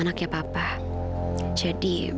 anaknya papa jadi